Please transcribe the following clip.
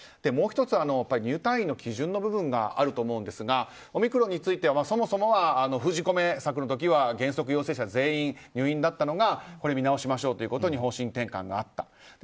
もう１つ、入退院の基準の部分があると思うんですがオミクロンについてはそもそもが封じ込め策の時には原則陽性者入院だったのが見直しましょうということで方針転換があった。